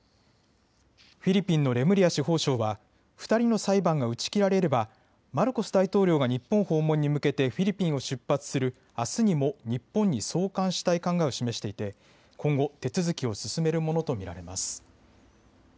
フィリピンのレムリア司法相は２人の裁判が打ち切られればマルコス大統領が日本訪問に向けてフィリピンを出発するあすにも日本に送還したい考えを示していて、今後手続きを進めるものと見られます。